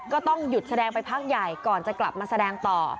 ก็ต้องหยุดแสดงไปพักใหญ่ก่อนจะกลับมาแสดงต่อ